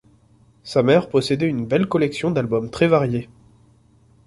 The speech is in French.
Sa mère possédait une belle collection d'albums très variés.